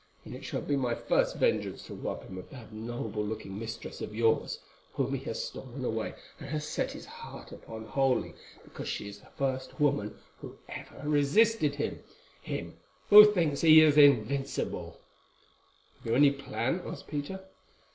And it shall be my first vengeance to rob him of that noble looking mistress of yours, whom he has stolen away and has set his heart upon wholly, because she is the first woman who ever resisted him—him, who thinks that he is invincible." "Have you any plan?" asked Peter.